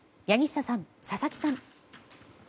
柳下さん、佐々木さん。